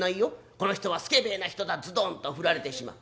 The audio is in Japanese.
この人は助平な人だズドンと振られてしまう。